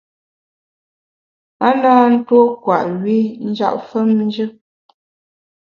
A na ntuo kwet wi njap famjù.